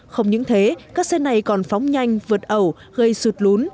không những thế các xe này còn phóng nhanh vượt ẩu gây sụt lún